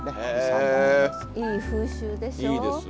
いい風習でしょ。